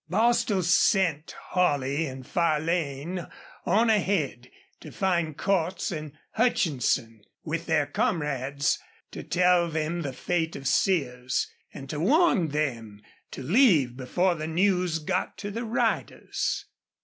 Bostil sent Holley and Farlane on ahead to find Cordts and Hutchinson, with their comrades, to tell them the fate of Sears, and to warn them to leave before the news got to the riders.